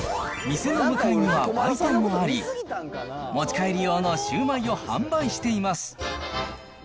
店の向かいには売店もあり、持ち帰り用のシューマイを販売しています。